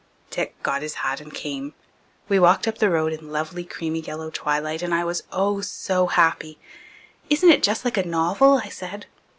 Dick got his hat and came. We walked up the road in lovely creamy yellow twilight and I was, oh, so happy. "Isn't it just like a novel?" I said.